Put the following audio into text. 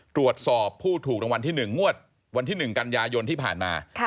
ตรวจสอบผู้ถูกรางวัลที่๑งวดวันที่๑กันยายนที่ผ่านมา